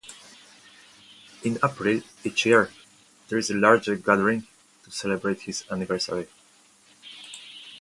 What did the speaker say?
In April each year, there is a larger gathering to celebrate his anniversary.